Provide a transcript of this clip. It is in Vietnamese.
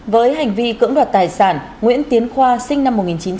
với hành vi cưỡng đoạt tài sản nguyễn tiến khoa sinh năm một nghìn chín trăm tám mươi